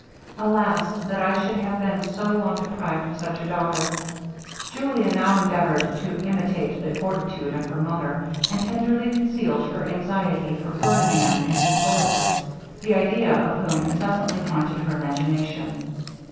Alas! that I should have been so long deprived of such a daughter!' Julia now endeavoured to imitate the fortitude of her mother, and tenderly concealed her anxiety for Ferdinand and Hippolitus, the idea of whom incessantly haunted her imagination.